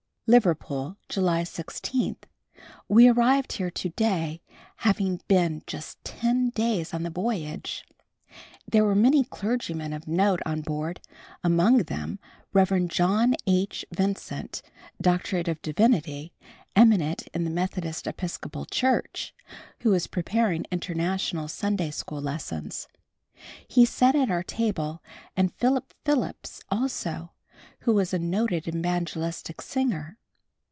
Liverpool, July 16. We arrived here to day, having been just ten days on the voyage. There were many clergymen of note on board, among them, Rev. John H. Vincent, D.D., eminent in the Methodist Episcopal Church, who is preparing International Sunday School lessons. He sat at our table and Philip Phillips also, who is a noted evangelistic singer.